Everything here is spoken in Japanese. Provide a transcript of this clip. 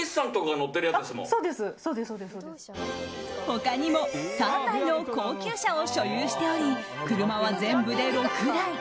他にも３台の高級車を所有しており車は全部で６台。